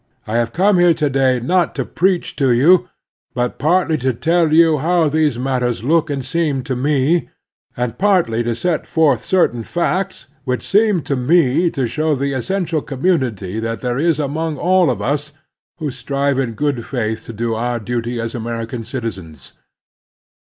I have come here to day not to preach to you, but partly to tell you how these matters look and seem to me, and partly to set forth certain facts which seem to me to show the essential commtmity that there is among all of tis who strive in good faith to do our duty as American citizens.